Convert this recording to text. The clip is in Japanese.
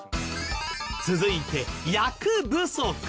続いて「役不足」